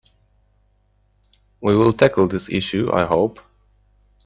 We will tackle this issue, I hope.